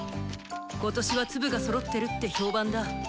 今年は粒がそろってるって評判だ。